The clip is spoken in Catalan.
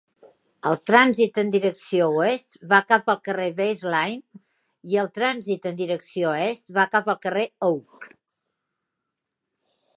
El trànsit en direcció oest va cap al carrer Baseline i el trànsit en direcció est va cap al carrer Oak.